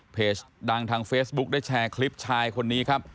ดังทางเฟซบุ๊คได้แชร์คลิปชายคนนี้ครับ